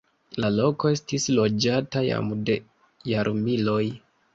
La loko estis loĝata jam de jarmiloj.